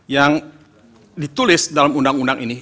yang ditulis dalam undang undang ini